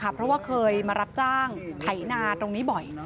เพราะว่าเคยมารับจ้างไถนาตรงนี้บ่อย